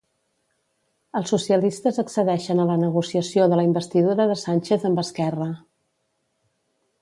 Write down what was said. Els socialistes accedeixen a la negociació de la investidura de Sánchez amb Esquerra.